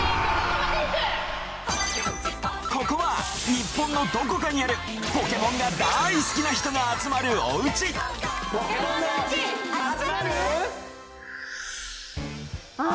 ここは日本のどこかにあるポケモンが大好きな人があつまるお家あ